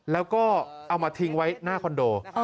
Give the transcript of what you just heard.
แล้วก็เอามาทิ้งไว้หน้าคอนโด